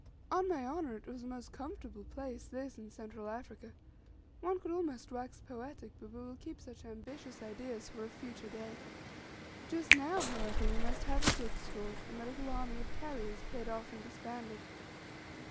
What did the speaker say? On my honour, it was a most comfortable place, this, in Central Africa. One could almost wax poetic, but we will keep such ambitious ideas for a future day. Just now, however, we must have the goods stored, and the little army of carriers paid off and disbanded.